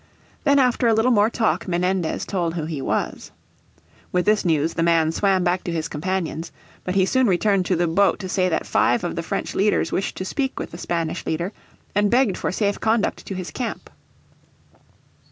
Then after a little more talk Menendez told who he was. With this news the man swam back to his companions. But he soon returned to the boat to say that five of the French leaders wished to speak with the Spanish leader, and begged for safe conduct to his camp.